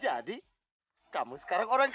jadi kamu sekarang orang kaya